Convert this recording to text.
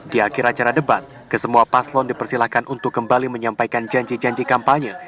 di akhir acara debat ke semua paslon dipersilahkan untuk kembali menyampaikan janji janji kampanye